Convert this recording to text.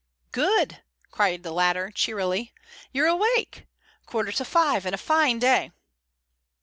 "Good!" cried the latter cheerily. "You're awake? Quarter to five and a fine day."